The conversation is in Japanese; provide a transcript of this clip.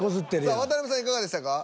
さあ渡辺さんいかがでしたか？